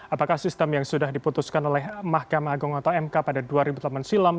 apakah sistem yang sudah diputuskan oleh mahkamah agung atau mk pada dua ribu delapan silam